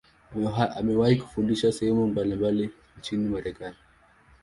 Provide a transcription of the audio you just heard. Amewahi kufundisha sehemu mbalimbali nchini Marekani.